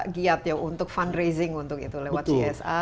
giat ya untuk fundraising untuk itu lewat csa